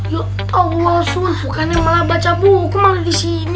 ya allah asun bukan yang malah baca buku malah disini